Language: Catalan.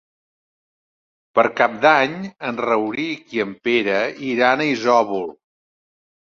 Per Cap d'Any en Rauric i en Pere iran a Isòvol.